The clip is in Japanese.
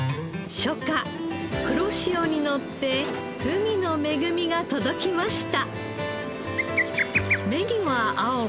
初夏黒潮にのって海の恵みが届きました。